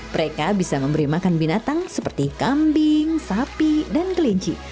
mereka bisa memberi makan binatang seperti kambing sapi dan kelinci